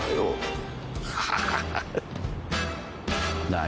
何？